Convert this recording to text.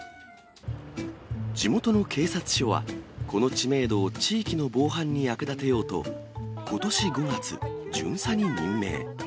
地元の警察署は、この知名度を地域の防犯に役立てようと、ことし５月、巡査に任命。